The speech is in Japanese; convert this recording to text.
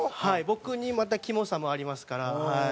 僕にまたキモさもありますからはい。